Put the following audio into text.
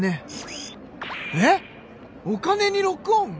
お金にロックオン！？